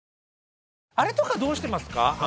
あれとかどうしてますか？